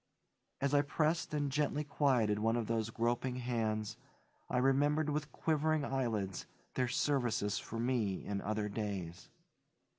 As I pressed and gently quieted one of those groping hands I remembered with quivering eyelids their services for me in other days.